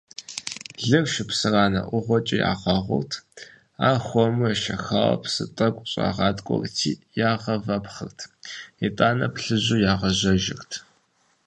Лыр шыпсыранэ ӏугъуэкӏэ ягъэгъурт, ар хуэму ешэхауэ псы тӏэкӏу щӏагъаткӏуэрти ягъэвэпхъырт, итӏанэ плъыжьу ягъэжьэжырт.